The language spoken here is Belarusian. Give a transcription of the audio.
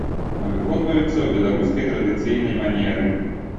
Выконваюцца ў беларускай традыцыйнай манеры.